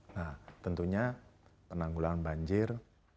nah tentunya penanggulan banjir